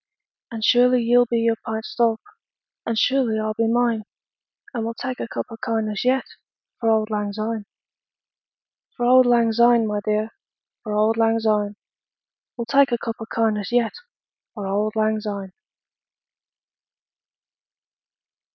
And surely ye'll be your pint stowp, And surely I'll be mine; And we'll tak a cup o' kindness yet For auld lang syne! 20 For auld lang syne, my dear, For auld lang syne, We'll tak a cup o' kindness yet For auld lang syne.